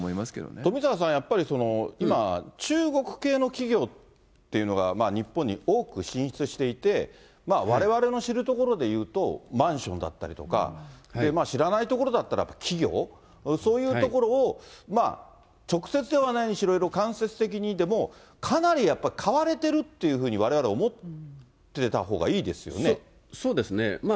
富坂さん、やっぱり、今、中国系の企業っていうのが日本に多く進出していて、われわれの知るところでいうとマンションだったりとか、知らないところだったら企業、そういうところを直接ではないにしろ、間接的にでも、かなりやっぱり買われているというふうにわれわれ思ってたほうがそうですね。